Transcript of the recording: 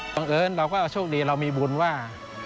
บังเอิญเราก็ช่วงดีเรามีบุญว่า